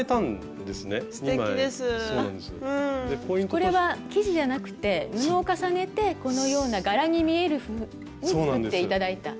これは生地じゃなくて布を重ねてこのような柄に見えるふうに作って頂いた。